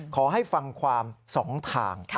ขอให้ฟังความ๒ทาง